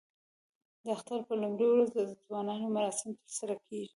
د اختر په لومړۍ ورځ د ځوانانو مراسم ترسره کېږي.